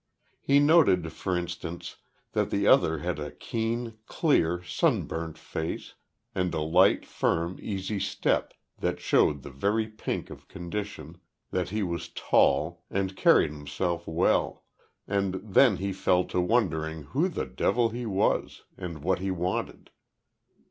He noted for instance that the other had a keen, clear, sunburnt face, and a light, firm, easy step, that showed the very pink of condition, that he was tall, and carried himself well, and then he fell to wondering who the devil he was and what he wanted.